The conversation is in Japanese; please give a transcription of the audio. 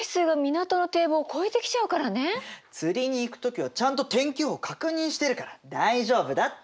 釣りに行く時はちゃんと天気予報確認してるから大丈夫だって！